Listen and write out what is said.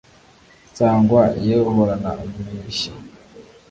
Sangwa yewe uhorana umwishya